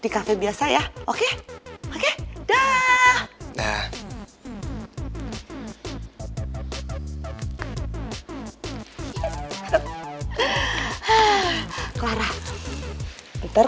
kamu pergunakan waktu itu